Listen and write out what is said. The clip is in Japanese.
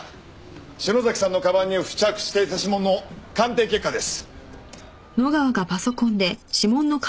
篠崎さんのカバンに付着していた指紋の鑑定結果です。